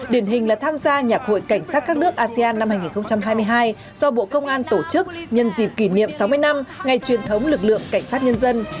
điển hình là tham gia nhạc hội cảnh sát các nước asean năm hai nghìn hai mươi hai do bộ công an tổ chức nhân dịp kỷ niệm sáu mươi năm ngày truyền thống lực lượng cảnh sát nhân dân